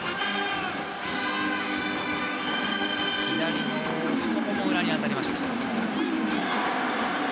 左の太もも裏に当たりました。